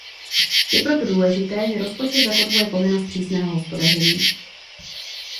Je proto důležité, že rozpočet zakotvuje povinnost přísného hospodaření.